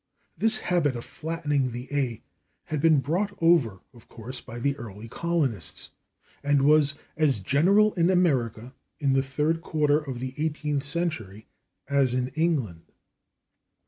This habit of flatting the /a/ had been brought over, of course, by the early colonists, and was as general in America, in the third quarter of the eighteenth century, as in England.